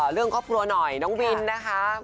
เรื่องครอบครัวหน่อยน้องวินนะคะ